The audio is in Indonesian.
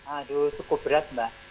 aduh cukup berat mbak